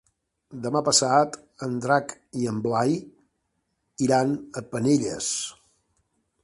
Demà passat en Drac i en Blai iran a Penelles.